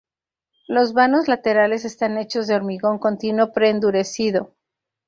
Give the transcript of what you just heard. Los vanos laterales están hechos de hormigón continuo pre-endurecido.